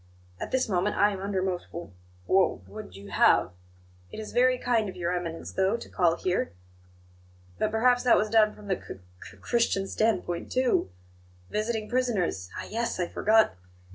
At this moment I am undermost w w what would you have? It is very kind of Your Eminence, though, to call here; but perhaps that was done from the C c christian standpoint, too. Visiting prisoners ah, yes! I forgot.